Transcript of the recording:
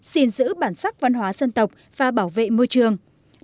xin giữ bản sắc văn hóa dân tộc và bảo vệ môi trường